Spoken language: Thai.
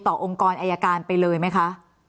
องค์กรอายการไปเลยไหมคะ